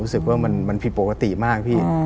รู้สึกว่ามันผิดปกติมากพี่